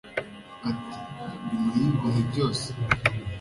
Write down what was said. Ati: “Nyuma yibi bihe byose,